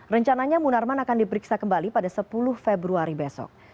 rencananya munarman akan diperiksa kembali pada sepuluh februari besok